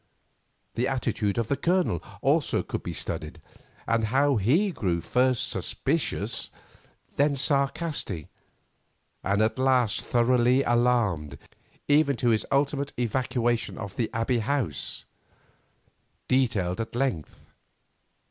The attitude of the Colonel also could be studied, and how he grew first suspicious, then sarcastic, and at last thoroughly alarmed, even to his ultimate evacuation of the Abbey House, detailed at length.